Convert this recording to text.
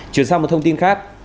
chuyển sang một thông tin khác